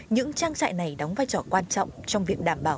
những trang trại này đóng vai trò quan trọng trong việc đảm bảo